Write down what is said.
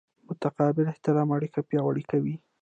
متقابل احترام اړیکې پیاوړې کوي.